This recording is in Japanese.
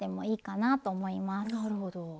なるほど。